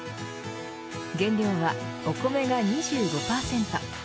原料は、お米が２５％。